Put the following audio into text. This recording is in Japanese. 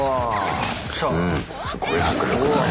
すごい迫力だね。